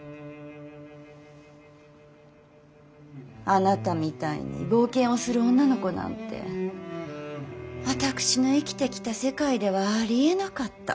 あなたみたいに冒険をする女の子なんて私が生きてきた世界ではありえなかった。